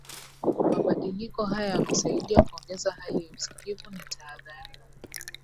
Mabadiliko haya yamesaidia kuongeza hali ya usikivu na tahadhari